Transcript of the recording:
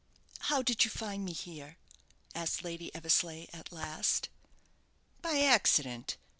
"How did you find me here?" asked Lady Eversleigh, at last. "By accident.